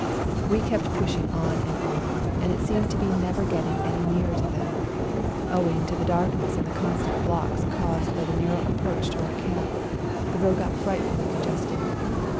We kept push ing on and on, and seemed to be never getting any nearer to them ; owing to the darkness and the constant blocks caused by the narrow approach to our camp, the road got frightfully congested.